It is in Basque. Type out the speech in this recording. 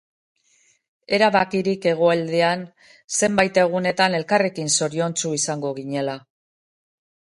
Erabakirik Hegoaldean, zenbait egunetan, elkarrekin zoriontsu izango ginela.